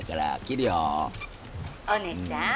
「おねさん？